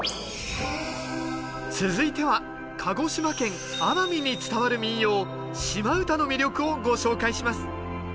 続いては鹿児島県奄美に伝わる民謡シマ唄の魅力をご紹介します。